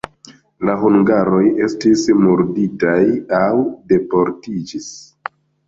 La hungaroj aŭ estis murditaj, aŭ deportiĝis.